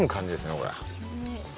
これ。